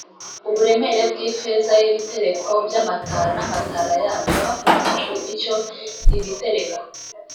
uburemere bw ifeza y ibitereko by amatara n amatara yabyo hakurikijwe icyo ibitereko